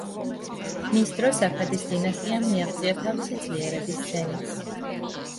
მის დროს აქადის დინასტიამ მიაღწია თავისი ძლიერების ზენიტს.